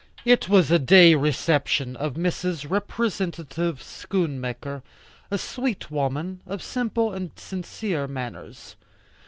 It was a day reception of Mrs. Representative Schoonmaker, a sweet woman, of simple and sincere manners.